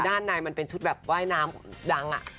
ด้านในมันเป็นชุดแบบว่ายน้ำดังอะ